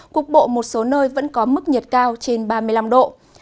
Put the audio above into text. cục bộ một số nơi vẫn có mức nhiệt cao trên ba mươi năm độ